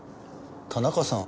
田中さん？